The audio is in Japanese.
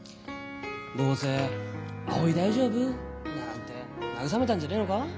どうせ「葵大丈夫？」なんて慰めたんじゃねえのか？